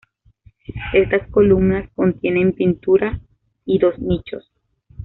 Estas columnas contienen pinturas y dos nichos.